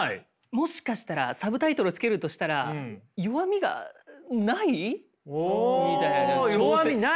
もしかしたらサブタイトルをつけるとしたら「弱みがない？」